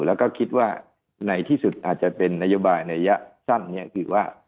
แล้วก็คิดว่าในที่สุดอาจจะเป็นนโยบายในระยะสั้นคือว่า